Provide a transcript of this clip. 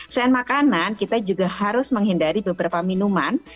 selain makanan kita juga harus menghindari beberapa minuman